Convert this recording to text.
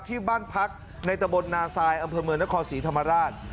ที่บ้านพักในตะบลนาซายอำเภอเมืองนครศรีธรรมราช